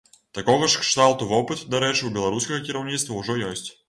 Такога ж кшталту вопыт, дарэчы, у беларускага кіраўніцтва ўжо ёсць.